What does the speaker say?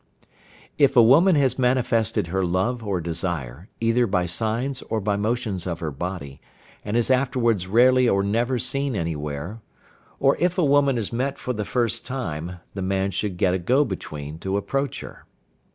If a woman has manifested her love or desire, either by signs or by motions of her body, and is afterwards rarely or never seen any where, or if a woman is met for the first time, the man should get a go between to approach her.